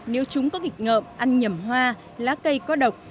nếu chúng có vịt ngợm ăn nhầm hoa lá cây có độc